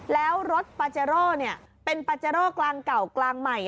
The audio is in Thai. แล้วรถปาเจโร่เป็นปาเจโร่กลางเก่ากลางใหม่